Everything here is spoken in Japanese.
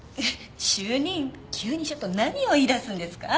主任急にちょっと何を言い出すんですか？